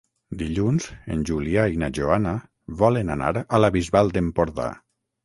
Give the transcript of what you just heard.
Dilluns en Julià i na Joana volen anar a la Bisbal d'Empordà.